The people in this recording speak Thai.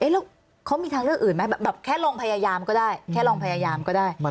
แล้วเขามีทางเลือกอื่นไหมแบบแค่ลองพยายามก็ได้